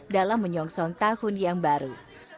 dalam menyongsong tahun yang baru